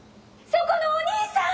そこのお兄さん！